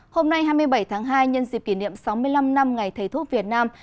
hôm nay hai mươi bảy tháng hai nhân dịp kỷ niệm sáu mươi năm năm ngày thầy thuốc việt nam